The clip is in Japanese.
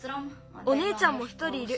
おねえちゃんも１人いる。